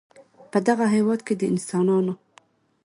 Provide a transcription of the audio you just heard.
په دغه هېواد کې د انسانانو